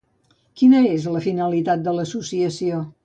Quina és la finalitat de l'associació?